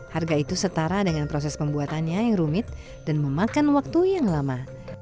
harga itu setara dengan proses pembuatannya yang rumit dan memakan waktu yang lama